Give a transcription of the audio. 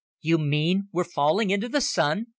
"You mean we're falling into the Sun!"